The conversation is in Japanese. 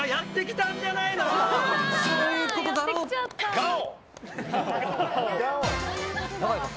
ガオ！